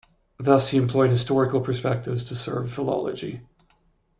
Thus, he employed historical perspectives to serve philology.